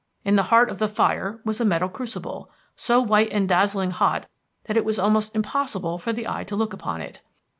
In the heart of the fire was a metal crucible, so white and dazzling hot that it was almost impossible for the eye to look upon it.